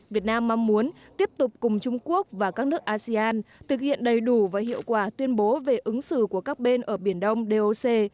việt nam mong muốn tiếp tục cùng trung quốc và các nước asean thực hiện đầy đủ và hiệu quả tuyên bố về ứng xử của các bên ở biển đông doc